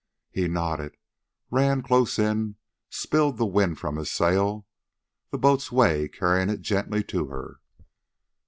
He nodded, ran close in, spilled the wind from his sail, the boat's way carrying it gently to her.